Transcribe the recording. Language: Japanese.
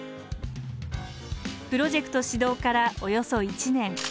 プロジェクト始動からおよそ１年。